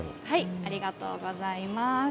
ありがとうございます。